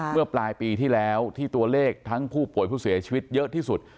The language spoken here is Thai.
เมื่อปลายปีที่แล้วที่ตัวเลขทั้งผู้ป่วยผู้เสียชีวิตเยอะที่สุด